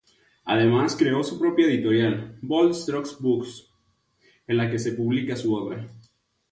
Además creó su propia editorial, Bold Strokes Books, en la que publica su obra.